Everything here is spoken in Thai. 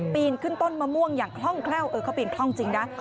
ปีนขึ้นต้นมะม่วงอย่างคล่องแคล่วเออเขาปีนคล่องจริงนะ